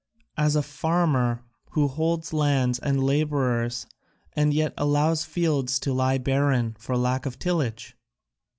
as for a farmer to hold lands and labourers and yet allow fields to lie barren for lack of tillage."